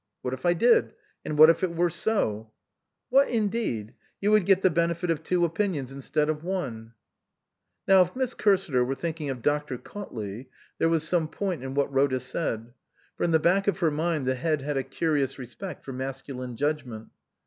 " What if I did ? And what if it were so ?" "What indeed? You would get the benefit of two opinions instead of one." Now if Miss Cursiter were thinking of Dr. Cautley there was some point in what Rhoda said ; for in the back of her mind the Head had a curious respect for masculine judgment.